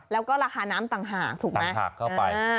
แล้วก็ราคาน้ำต่างหากถูกไหมเข้าไป